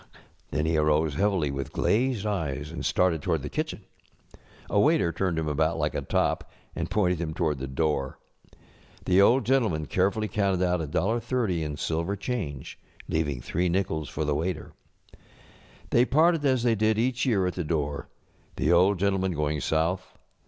ŌĆØ Then he arose heavily with glazed eyes and started toward the kitchen. A waiter turned him about like a top, and pointed him toward the door. The Old Gentleman carefully counted out $1.S0 in silver change, leaving three nickels for the waiter. They parted as they did each year at the door, the Old Gentleman going south.